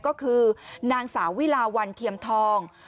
ก็คือนางสาววิลาวันเทียมทอง